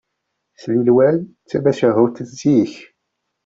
Slilwan d tamacahut n zik